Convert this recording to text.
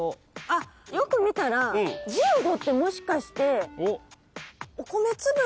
あっよく見たら１５ってもしかしてお米粒。